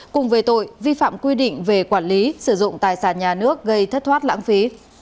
cùng về tội vi phạm quy định về quản lý sử dụng tài sản nhà nước gây thất thoát lãng phí